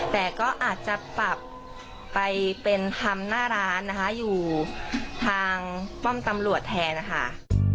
แต่ก็อาจจะปรับไปเป็นทำหน้าร้านนะคะอยู่ทางป้อมตำรวจแทนนะคะ